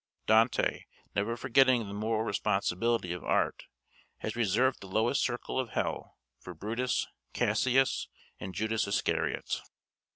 Dante, never forgetting the moral responsibility of art, has reserved the lowest circle of hell for Brutus, Cassius, and Judas Iscariot.